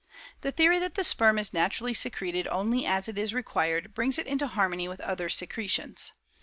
The theory that the sperm is naturally secreted only as it is required, brings it into harmony with other secretions.